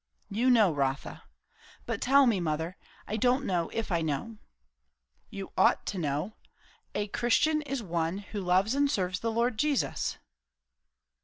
"You know, Rotha." "But tell me, mother. I don't know if I know." "You ought to know. A Christian is one who loves and serves the Lord Jesus."